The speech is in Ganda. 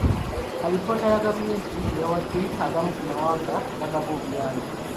Alipoota gavumenti gye yawadde agamu ku mawanga agagaba obuyambi .